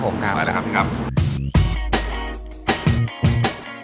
ครับผมครับ